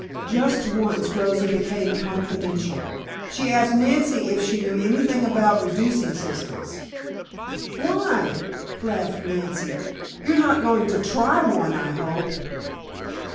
Just once Rosa became confidential. She asked Nancy if she knew anything about reducing systems. "Why?" laughed Nancy. "You are not going to try one, I hope."